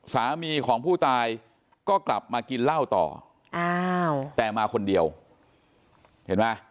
สามีของผู้ตายก็กลับมากินเหล้าต่ออ้าวแต่มาคนเดียวเห็นไหม